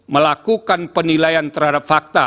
melakukan penilaian terhadap fakta